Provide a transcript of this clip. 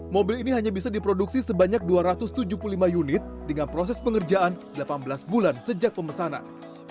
mobil ini hanya bisa diproduksi sebanyak dua ratus tujuh puluh lima unit dengan proses pengerjaan delapan belas bulan sejak pemesanan